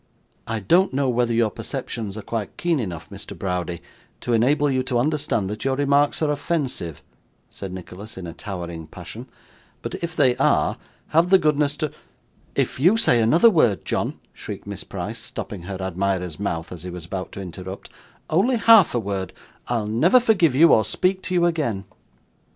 'I don't know whether your perceptions are quite keen enough, Mr Browdie, to enable you to understand that your remarks are offensive,' said Nicholas in a towering passion, 'but if they are, have the goodness to ' 'If you say another word, John,' shrieked Miss Price, stopping her admirer's mouth as he was about to interrupt, 'only half a word, I'll never forgive you, or speak to you again.